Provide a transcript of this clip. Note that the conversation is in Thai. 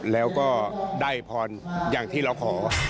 แล้วก็ได้พรอย่างที่เราขอ